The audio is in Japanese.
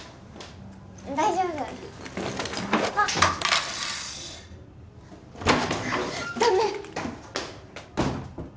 大丈夫あっダメ！